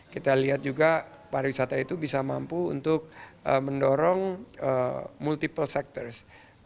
kita lihat juga pariwisata itu bisa mampu untuk mendorong multiple sectors